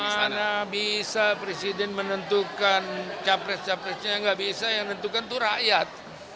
mana bisa presiden menentukan capres capresnya yang nggak bisa yang menentukan itu rakyat